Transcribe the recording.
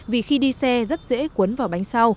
vì khi đi xe rất dễ cuốn vào bánh